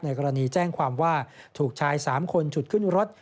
กรณีแจ้งความว่าถูกชาย๓คนฉุดขึ้นรถ